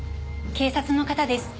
警察の方です。